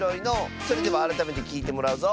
それではあらためてきいてもらうぞ。